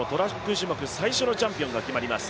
種目最初のチャンピオンが決まります。